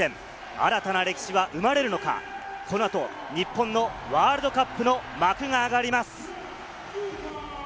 新たな歴史が生まれるのか、このあと日本のワールドカップの幕が上がります。